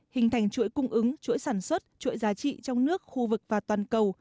hình thành chuỗi cung ứng chuỗi sản xuất chuỗi giá trị trong nước khu vực và toàn cầu